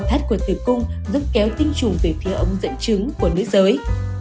cái thất của tử cung giúp kéo tinh trùng về phía ống dẫn chứng của nước giới